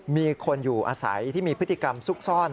มีคนอยู่อาศัยที่มีพฤติกรรมซุกซ่อน